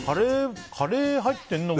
カレー入ってるの？